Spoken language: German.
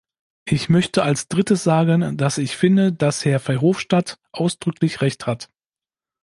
Ich möchte als drittes sagen, dass ich finde, dass Herr Verhofstadt ausdrücklich Recht hat.